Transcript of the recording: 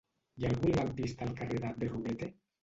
Hi ha algun lampista al carrer de Berruguete?